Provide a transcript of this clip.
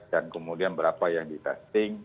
dan kemudian berapa yang ditesting